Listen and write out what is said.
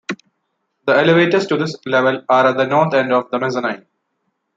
The elevators to this level are at the north end of the mezzanine.